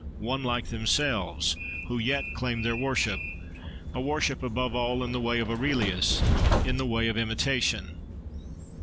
one like themselves, who yet claimed their worship, a worship, above all, in the way of Aurelius, in the way of imitation.